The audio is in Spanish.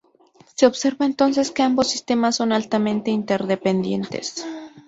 Se observa entonces que ambos sistemas son altamente interdependientes.